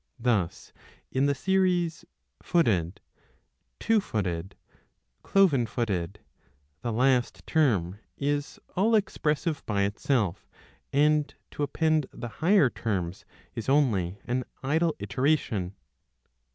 Thus in the series Footed, Two footed, Cloven footed,^ the last term is all expressive by itself, and to append the higher terms is only an idle iteration.